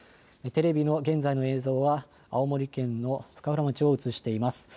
テレビの現在の映像は青森県の深浦町を映しています。